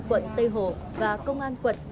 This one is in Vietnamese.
quận tây hồ và công an quận